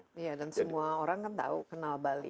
iya dan semua orang kan tahu kenal bali